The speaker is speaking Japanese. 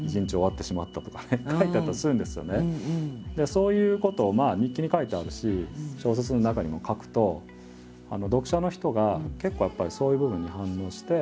そういうことを日記に書いてあるし小説の中にも書くと読者の人が結構やっぱりそういう部分に反応して。